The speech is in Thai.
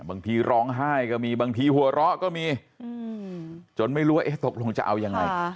บางทีร้องไห้ก็มีบางทีหัวเราะก็มีจนไม่รู้ว่าตกลงจะเอายังไง